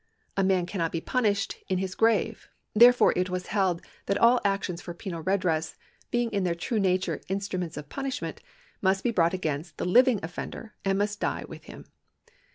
A man cannot be punished in his grave ; therefore it was held that all actions for penal redress, being in their true nature instruments of punishment, must be brought against the living offender and must die with him.